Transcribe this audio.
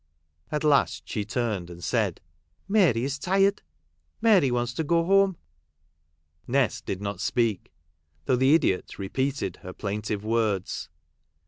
At last she turned, and said, " Mary is tired. Mary wants to go home." Nest did not speak, though the idiot repeated her plaintive words.